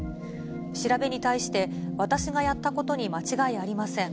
調べに対して、私がやったことに間違いありません。